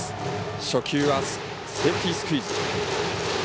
初球はセーフティースクイズ。